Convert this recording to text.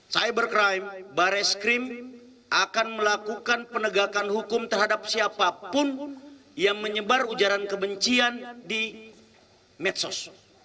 cyber crime baris krim akan melakukan penegakan hukum terhadap siapapun yang menyebar ujaran kebencian di medsos